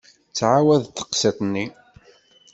Tettɛawad-d teqsiṭ-nni.